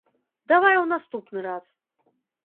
Давай у наступны раз.